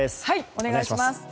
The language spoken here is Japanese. お願いします。